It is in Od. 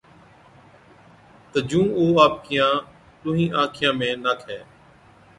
تہ جُون او آپڪِيان ڏُونھِين آنکان ۾ ناکَي